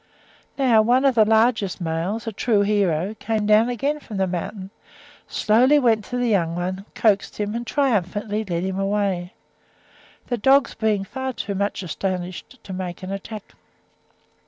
Now one of the largest males, a true hero, came down again from the mountain, slowly went to the young one, coaxed him, and triumphantly led him away—the dogs being too much astonished to make an attack.